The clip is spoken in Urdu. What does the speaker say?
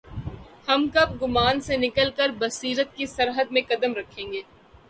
ہم کب گمان سے نکل کربصیرت کی سرحد میں قدم رکھیں گے؟